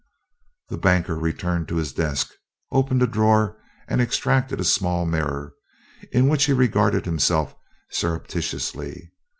The banker returned to his desk, opened a drawer and extracted a small mirror, in which he regarded himself surreptitiously.